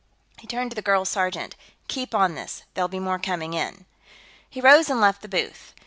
He turned to the girl sergeant. "Keep on this; there'll be more coming in." He rose and left the booth.